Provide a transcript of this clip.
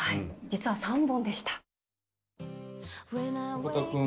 実は３本でした。